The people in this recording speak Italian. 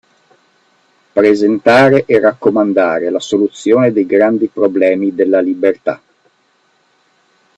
Presentare e raccomandare la soluzione dei grandi problemi della libertà